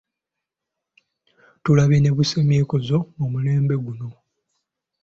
Tulabye ne busemyekozo mu mulembe guno.